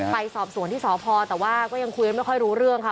ไปสอบสวนที่สพแต่ว่าก็ยังคุยไม่ค่อยรู้เรื่องค่ะ